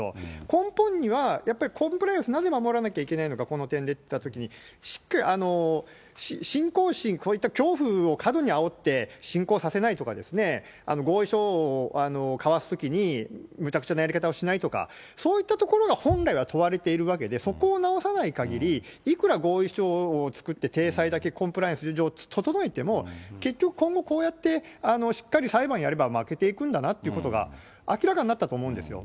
根本には、やっぱりコンプライアンスなぜ守らなきゃいけないのか、この点で言ったときに、信仰心、こういった恐怖を過度にあおって、信仰させないとか、合意書を交わすときに、めちゃくちゃなやり方をしないとか、そういったところが本来は問われているわけで、そこを直さないかぎり、いくら合意書を作って、体裁だけコンプライアンス上整えても、結局今後、こうやってしっかり裁判やれば、負けていくんだなということが、明らかになったと思うんですよ。